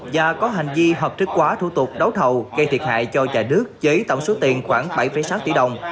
và có hành vi hợp thức quá thủ tục đấu thầu gây thiệt hại cho nhà nước với tổng số tiền khoảng bảy sáu tỷ đồng